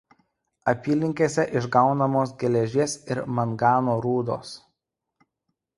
Apylinkėse išgaunamos geležies ir mangano rūdos.